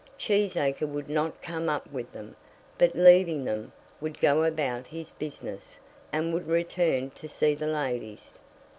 Cheesacre would not come up with them; but leaving them, would go about his business, and would return to see the ladies.